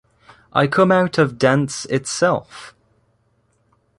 I come out of dance itself.